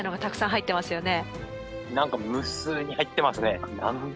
入ってますよね！